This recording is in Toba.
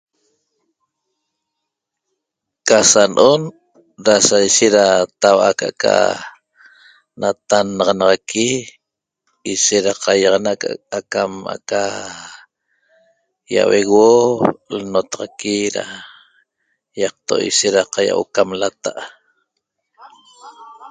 Ca sa no'on da sa ishet da tau'a aca natannaxanxaqui ishet da qaiýaxana acam aca ýauehueuo l'notaxaqui da ýaqto' ishet da qaiahuo'o cam lata'